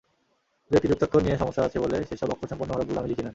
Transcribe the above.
দু-একটি যুক্তাক্ষর নিয়ে সমস্যা আছে বলে সেসব অক্ষরসম্পন্ন হরফগুলো আমি লিখি না।